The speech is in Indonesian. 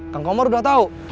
kang komar udah tau